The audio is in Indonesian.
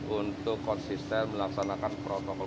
untuk konsisten melaksanakan protokol